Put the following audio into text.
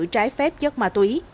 trái phép chất ma túy